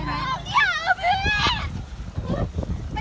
สวัสดีครับคุณพลาด